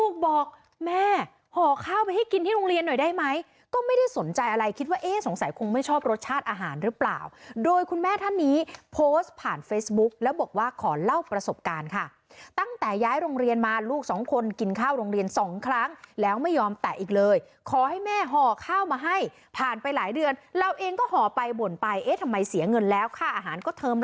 บอกแม่ห่อข้าวไปให้กินที่โรงเรียนหน่อยได้ไหมก็ไม่ได้สนใจอะไรคิดว่าเอ๊ะสงสัยคงไม่ชอบรสชาติอาหารหรือเปล่าโดยคุณแม่ท่านนี้โพสต์ผ่านเฟซบุ๊กแล้วบอกว่าขอเล่าประสบการณ์ค่ะตั้งแต่ย้ายโรงเรียนมาลูกสองคนกินข้าวโรงเรียนสองครั้งแล้วไม่ยอมแตะอีกเลยขอให้แม่ห่อข้าวมาให้ผ่านไปหลายเดือนเราเองก็ห่อไปบ่นไปเอ๊ะทำไมเสียเงินแล้วค่าอาหารก็เท